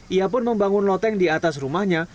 ia pun membangun loteng di atas rumahnya